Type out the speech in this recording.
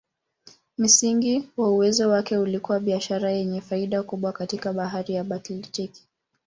Msingi wa uwezo wake ulikuwa biashara yenye faida kubwa katika Bahari ya Baltiki.